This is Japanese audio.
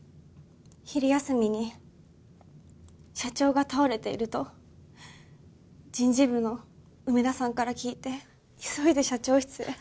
昼休みに社長が倒れていると人事部の梅田さんから聞いて急いで社長室へ。